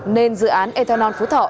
nên dự án ethanol phú thọ